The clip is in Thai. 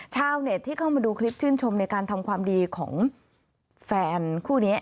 ชาวเน็ตที่เข้ามาดูคลิปชื่นชมในการทำความดีของแฟนคู่นี้